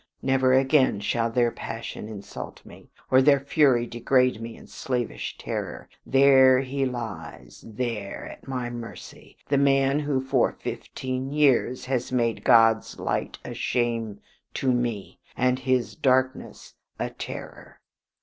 Never again shall their passion insult me, or their fury degrade me in slavish terror. There he lies; there at my mercy, the man who for fifteen years has made God's light a shame to me, and His darkness a terror.